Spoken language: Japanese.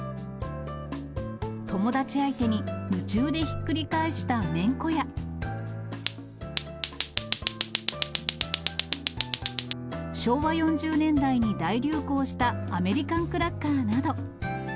友達相手に、夢中でひっくり返しためんこや、昭和４０年代に大流行したアメリカンクラッカーなど。